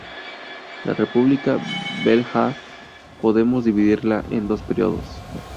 La República Velha podemos dividirla en dos períodos.